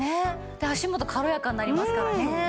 で足元軽やかになりますからね。